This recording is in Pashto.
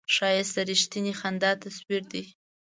ښایست د رښتینې خندا تصویر دی